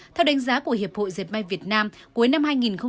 theo đánh giá của hiệp hội dẹp may việt nam cuối năm hai nghìn hai mươi ba